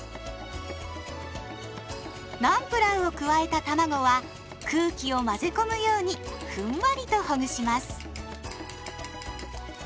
ナンプラーを加えたたまごは空気を混ぜ込むようにふんわりとほぐします。